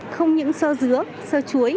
không những sơ dứa sơ chuối